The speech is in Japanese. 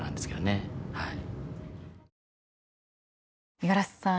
五十嵐さん